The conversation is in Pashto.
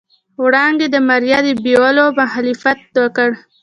وړانګې د ماريا د بيولو مخالفت وکړ.